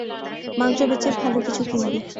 মাংস বেঁচে ভালো কিছু কিনবি।